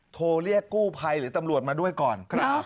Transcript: โทรเรียกกู้ภัยหรือตำรวจมาด้วยก่อน